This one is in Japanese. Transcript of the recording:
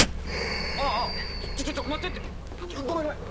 あぁちょっと待ってってごめんごめん。